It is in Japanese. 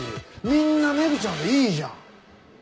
みんなメグちゃんでいいじゃん。